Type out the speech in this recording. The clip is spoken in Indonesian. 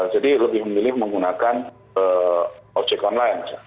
jadi lebih memilih menggunakan ojek online